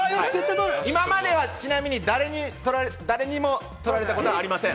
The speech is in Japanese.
今まではちなみに誰にも取られたことはありません。